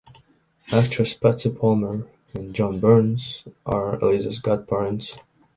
Actress Patsy Palmer and John Burns are Eliza’s godparents.